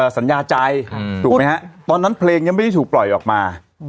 สัญญาใจถูกไหมฮะตอนนั้นเพลงยังไม่ได้ถูกปล่อยออกมา